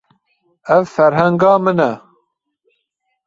Ev ferhenga min e.